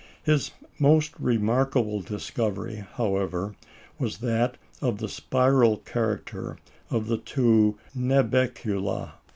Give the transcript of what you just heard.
His most remarkable discovery, however, was that of the spiral character of the two Nubeculæ.